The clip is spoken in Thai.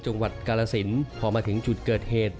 จังหวัดกาลสินพอมาถึงจุดเกิดเหตุ